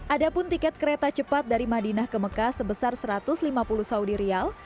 ada pun tiket kereta cepat dari madinah ke mekah sebesar satu ratus lima puluh saudi rial